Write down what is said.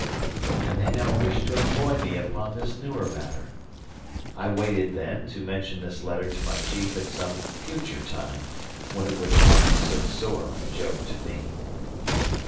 And they now wished to employ me upon this newer matter. I waited, then, to mention this letter to my chief at some future time, when it would be not so sore a joke to me.